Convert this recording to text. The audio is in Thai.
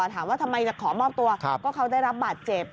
ถามว่าทำไมจะขอมอบตัวก็เขาได้รับบาดเจ็บ